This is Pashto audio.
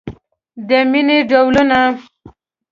د مینې ډولونه